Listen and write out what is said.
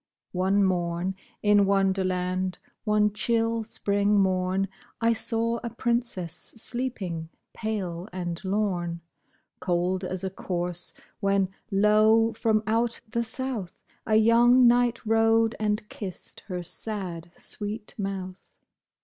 One morn, in Wonderland — one chill spring morn — I saw a princess sleeping, pale and lorn. Cold as a corse ; when, lo ! from out the south A young knight rode, and kissed her sad, sweet mouth.